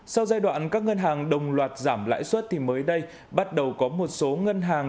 sau giai đoạn các ngân hàng đồng loạt giảm lãi suất thì mới đây bắt đầu có một số ngân hàng